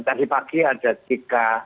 tadi pagi ada tika